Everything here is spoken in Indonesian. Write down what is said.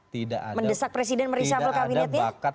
tidak ada bakat